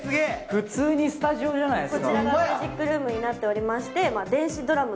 普通にスタジオじゃないですか。